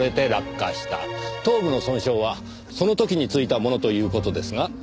頭部の損傷はその時についたものという事ですが。